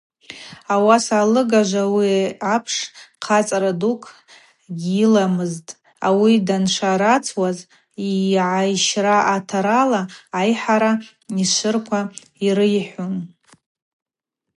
Ауаса алыгажв ауи апш хъацӏара дукӏ гьйыламызтӏ, ауи даншварацуаз йгӏайщра атарала айхӏара ашвырква йрыхӏун.